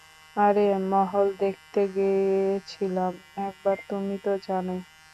আরে মহল দেখতে গেছিলাম একবার, তুমি তো জানোই।